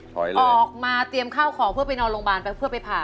ออกมาเตรียมข้าวของเพื่อไปนอนโรงพยาบาลไปเพื่อไปผ่า